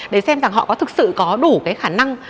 để xem họ có thực sự có đủ khả năng